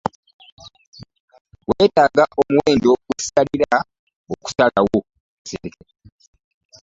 Weetaaga omuwendo ogw'essalira okusalawo.